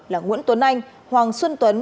là nguyễn tuấn anh hoàng xuân tuấn